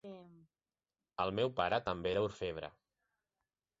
El meu pare també era orfebre.